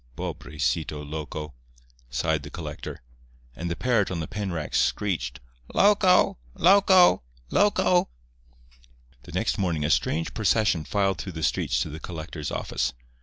"Pobrecito loco!" sighed the collector; and the parrot on the pen racks screeched "Loco!—loco!—loco!" The next morning a strange procession filed through the streets to the collector's office.